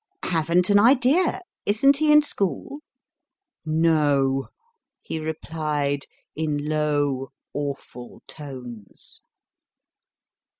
Haven t an idea isn t he in school ? No, he replied in low, awful tones.